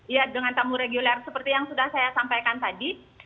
ya dengan tamu reguler seperti yang sudah saya sampaikan tadi